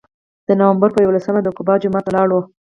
د نوامبر په یولسمه د قبا جومات ته لاړو.